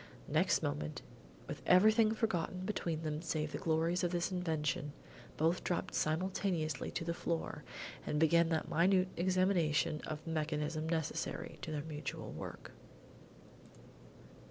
Next moment, with everything forgotten between them save the glories of this invention, both dropped simultaneously to the floor and began that minute examination of the mechanism necessary to their mutual work.